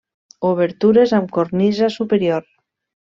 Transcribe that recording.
Obertures amb cornisa superior.